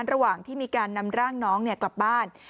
ระหว่างที่มีการนำร่างน้องกลับบ้าน